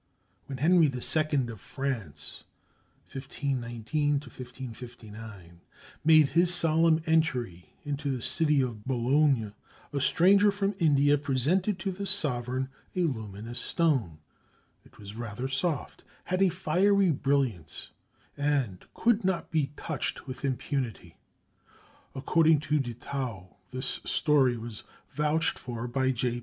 When Henry II of France (1519 1559) made his solemn entry into the city of Boulogne, a stranger from India presented to the sovereign a luminous stone. It was rather soft, had a fiery brilliance, and could not be touched with impunity. According to De Thou, this story was vouched for by J.